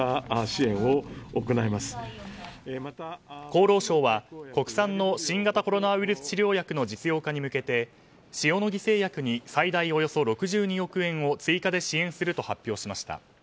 厚労省は、国産の新型コロナウイルス治療薬の実用化に向けて、塩野義製薬に最大およそ６２億円を追加で支援すると発表しました。